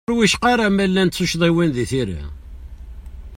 Ur wicqa ara ma llant tuccḍiwin di tira.